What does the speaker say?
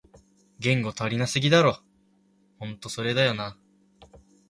言語足りなすぎだろ